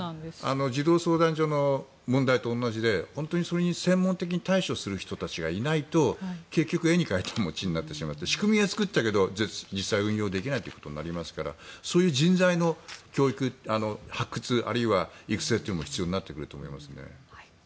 児童相談所の問題と同じで本当にそれに専門的に対処する人たちがいないと結局絵に描いた餅になってしまって仕組みは作ったけど実際は運用できないことになりますからそういう人材の教育発掘あるいは育成も必要になってくると思います。